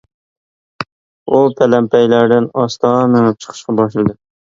ئۇ پەلەمپەيلەردىن ئاستا مېڭىپ چىقىشقا باشلىدى.